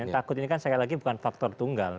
yang takut ini kan sekali lagi bukan faktor tunggal